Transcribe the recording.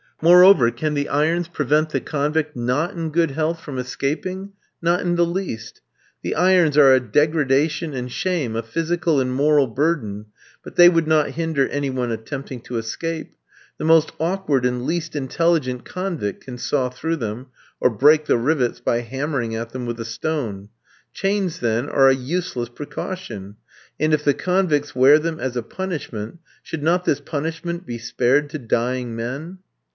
Moreover, can the irons prevent the convict not in good health from escaping? Not in the least. The irons are a degradation and shame, a physical and moral burden; but they would not hinder any one attempting to escape. The most awkward and least intelligent convict can saw through them, or break the rivets by hammering at them with a stone. Chains, then, are a useless precaution; and if the convicts wear them as a punishment, should not this punishment be spared to dying men?